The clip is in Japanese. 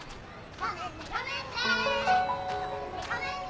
ごめんねごめんね。